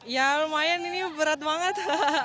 ya lumayan ini berat banget